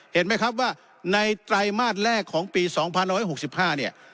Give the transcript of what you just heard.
เห็นไหมครับว่าในไตรมาสแรกของปี๒๑๖๕เนี่ย